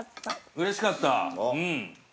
◆うれしかった？